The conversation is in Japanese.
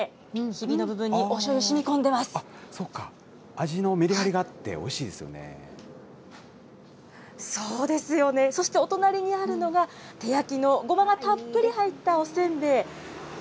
ひびの部分に、そうか、味のメリハリがあっそうですよね、そしてお隣にあるのが、手焼きのごまがたっぷり入ったおせんべい。